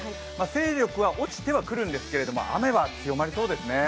勢力は落ちてはくるんですけども、雨は強まりそうですね。